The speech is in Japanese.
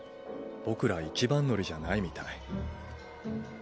僕ら一番乗りじゃないみたい。